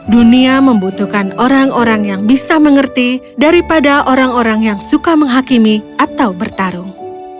dunia membutuhkan orang orang yang bisa mengerti daripada orang orang yang suka menghakimi atau bertarung